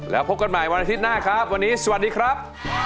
แล้วพบกันใหม่วันอาทิตย์หน้าครับวันนี้สวัสดีครับ